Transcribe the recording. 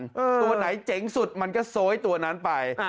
ตัวไหนเจ๋งสุดมันก็โซยตัวนั้นไป